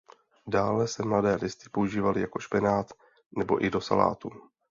Dále se mladé listy používaly jako špenát nebo i do salátů.